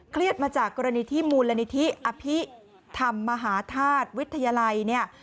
เครียดมาจากกรณีที่มูลนิธิอภิษฐรรมมหาธาตุวิทยาลัย